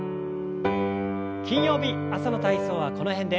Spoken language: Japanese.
金曜日朝の体操はこの辺で。